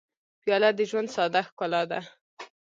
پیاله د ژوند ساده ښکلا ده.